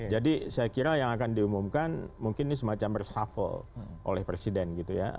jadi saya kira yang akan diumumkan mungkin ini semacam reshuffle oleh presiden gitu ya